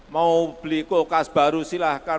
mau beli kulkas baru silahkan